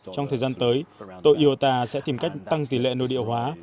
trong thời gian tới toyota sẽ tìm cách tăng tỷ lệ nội địa hóa